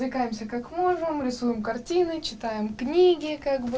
kita merisau kartin kita baca buku